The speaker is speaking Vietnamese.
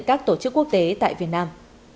các tổ chức quốc tế tại việt nam